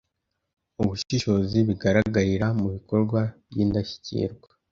ubushishozi bigaragarira mu bikorwa by’indashyikirwa